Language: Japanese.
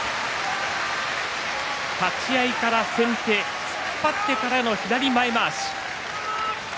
立ち合いから先手突っ張ってからの左前まわし。